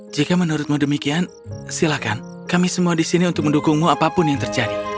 jika menurutmu demikian silakan kami semua di sini untuk mendukungmu apapun yang terjadi